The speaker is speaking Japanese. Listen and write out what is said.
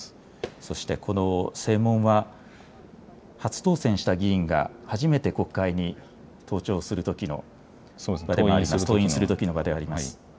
そして、この正門は初当選した議員が初めて国会に登院するときの場であります。